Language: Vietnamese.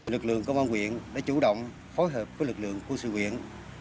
lực lượng công an huyện đã chủ động phối hợp với lực lượng quân sự huyện